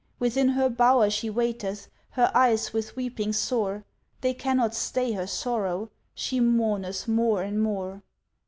Within her bower she waiteth, Her eyes with weeping sore, They cannot stay her sorrow, She mourneth more and more.